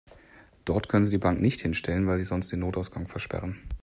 Dort können Sie die Bank nicht hinstellen, weil Sie sonst den Notausgang versperren.